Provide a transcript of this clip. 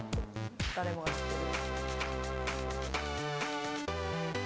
誰もが知ってる。